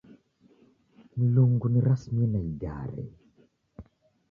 Mlungu nirasimie na igare.